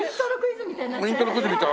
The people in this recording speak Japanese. イントロクイズみたい。